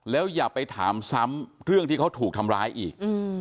แล้วอย่าไปถามซ้ำเรื่องที่เขาถูกทำร้ายอีก